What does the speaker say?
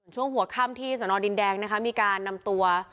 ช่วงหัวค่ำที่สนดินแดงนะคะมีการนำตัว